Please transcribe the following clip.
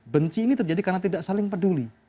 benci ini terjadi karena tidak saling peduli